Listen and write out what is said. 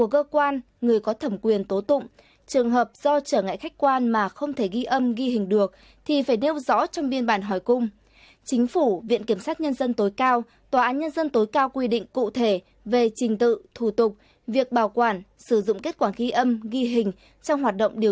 cơ quan được giao nhiệm vụ tiến hành một trong số các hoạt động điều tra phải được ghi âm ghi hình